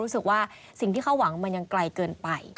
รู้สึกว่าสิ่งที่เขาหวังมันยังไกลเกินไป